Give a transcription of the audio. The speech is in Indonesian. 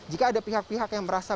jika ada pihak pihak yang mencari pemilu